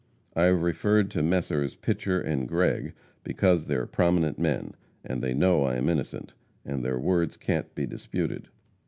I have referred to Messrs. Pitcher and Gregg because they are prominent men, and they know I am innocent, and their word can't be disputed.